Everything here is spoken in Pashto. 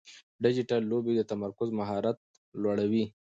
ډیجیټل لوبې د تمرکز مهارت لوړوي.